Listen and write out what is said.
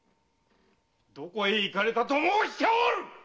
どこへ行かれたと申しておる！！